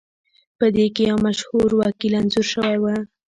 پدې کې یو مشهور وکیل انځور شوی و